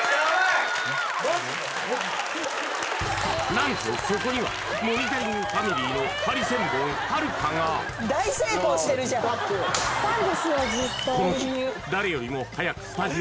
何とそこにはモニタリングファミリーのハリセンボンはるかがこの日はるかはがこちら皆さん